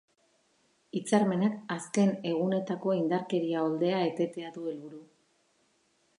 Hitzarmenak azken egunetako indarkeria oldea etetea du helburu.